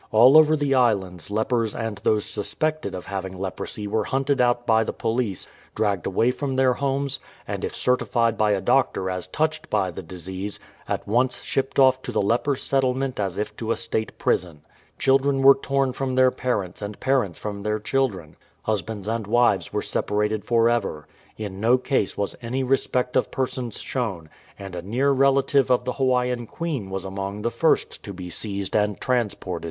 All over the islands lepers and those suspected of having leprosy were hunted out by the police, dragged away from their homes, and if certified by a doctor as touched by the disease, at once shipped off to the leper settlement as if to a State prison. Children were torn from their parents and parents from their children. Husbands and wives were separated for ever. In no case was any respect of persons shown, and a near relative of the Hawaiian Queen was among the first to be seized and transported.